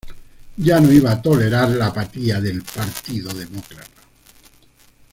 Ya no iba a tolerar la apatía del Partido Demócrata.